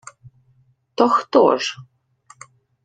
— То хто ж?